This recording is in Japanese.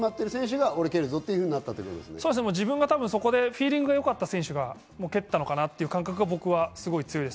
自分がそこでフィーリングがよかった選手が蹴ったのかな？という感覚が僕は強いです。